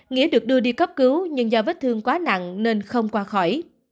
nghĩa được đưa đi cấp cứu nhưng do vết thương quá nặng nên không qua khỏi